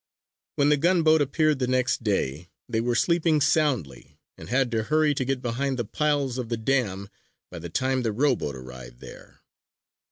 When the gunboat appeared the next day, they were sleeping soundly and had to hurry to get behind the piles of the dam by the time the rowboat arrived there.